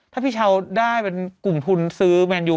ถ้าพี่เช้าได้เป็นกลุ่มทุนซื้อแมนยู